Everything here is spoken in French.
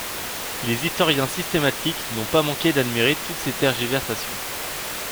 Les historiens systématiques n'ont pas manqué d'admirer toutes ces tergiversations.